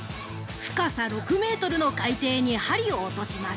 ◆深さ６メートルの海底に針を落とします。